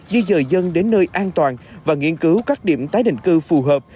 di dời dân đến nơi an toàn và nghiên cứu các điểm tái định cư phù hợp